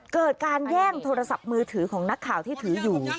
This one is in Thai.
เกิดการแย่งโทรศัพท์มือถือของนักข่าวที่ถืออยู่